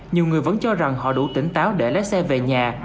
nhiều người vẫn cho rằng họ đủ tỉnh táo để lái xe về nhà